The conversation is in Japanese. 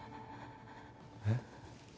えっ？